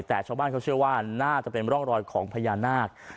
แต่ชาวบ้านเขาเชื่อว่าน่าจะเป็นร่องรอยของพญานาค